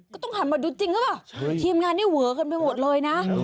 ก็ต้องหันมาดูจริงหรือเปล่าทีมงานเนี่ยเวอกันไปหมดเลยนะ